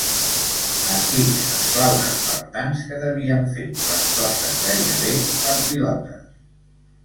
Antics esclaus espartans que devien fer les coses gairebé per pilotes.